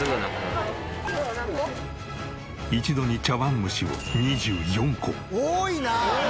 一度に茶わんむしを２４個。